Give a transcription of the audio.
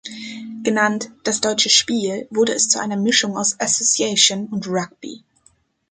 Genannt „das Deutsche Spiel“ wurde es eine Mischung aus Association und Rugby.